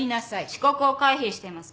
遅刻を回避しています。